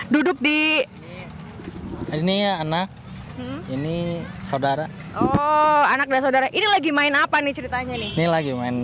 duduk di ini ya anak ini saudara oh anak dan saudara ini lagi main apa nih ceritanya nih mila gimana